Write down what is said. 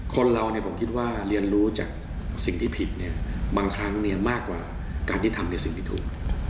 คนเราผมคิดว่าเรียนรู้จากสิ่งที่ผิดเนี่ยบางครั้งมากกว่าการที่ทำในสิ่งที่ถูก